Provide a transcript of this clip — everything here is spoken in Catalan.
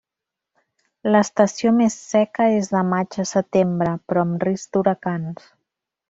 L'estació més seca és de maig a setembre, però amb risc d'huracans.